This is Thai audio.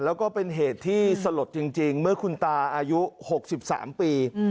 แล้วก็เป็นเหตุที่สลดจริงเมื่อคุณตาอายุ๖๓ปี